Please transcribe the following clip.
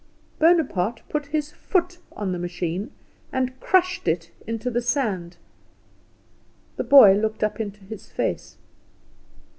Bonaparte put his foot on the machine and crushed it into the sand. The boy looked up into his face.